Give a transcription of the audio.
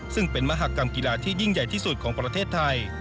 ซึ่งเป็นมหากรรมกีฬาที่ยิ่งใหญ่ที่สุดของประเทศไทย